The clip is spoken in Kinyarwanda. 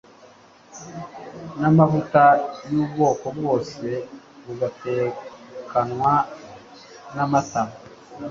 namavuta yubwoko bwose bigatekanwa namata